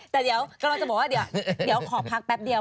แต่เดี๋ยวก็หรือจะบอกว่าเดี๋ยวก็ขอพักแปปเดียว